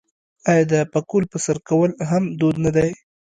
آیا د پکول په سر کول هم دود نه دی؟